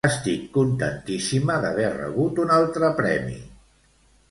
Estic contentíssima d'haver rebut un altre premi!